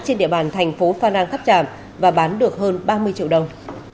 trên địa bàn thành phố phan rang khắp trạm và bán được hơn ba mươi triệu đồng